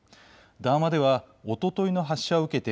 談話ではおとといの発射を受けて